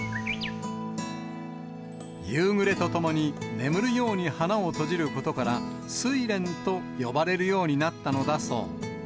夕暮れとともに眠るように花を閉じることから、睡蓮と呼ばれるようになったのだそう。